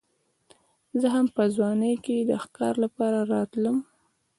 زه هم په ځوانۍ کې د ښکار لپاره راتلم.